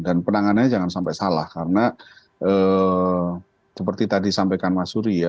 dan penanganannya jangan sampai salah karena seperti tadi sampaikan mas suri ya